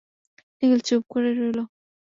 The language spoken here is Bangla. নিখিল চুপ করে রইল।